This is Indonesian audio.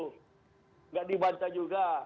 tidak dibantah juga